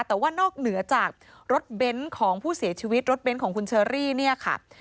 แต่ว่านอกเหนือจากรถเบนท์ของผู้เสียชีวิตรถเบนท์ของคุณเชอรี่เนี่ยค่ะ